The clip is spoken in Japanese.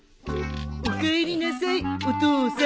おかえりなさいお父さん。